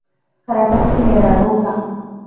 Karatasi imeraruka.